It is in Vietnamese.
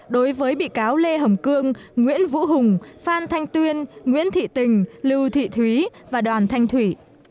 đối với bị cáo lê hồng cương nguyễn vũ hùng phan thanh tuyên nguyễn thị tình lưu thị thúy và đoàn thanh thủy